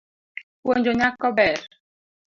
Puonjo nyako ber.